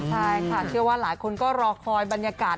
ใช่ค่ะเชื่อว่าหลายคนก็รอคอยบรรยากาศ